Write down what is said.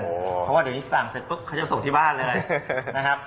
เพราะว่าเดี๋ยวนี้สั่งเสร็จเขาจะส่งที่บ้านเลย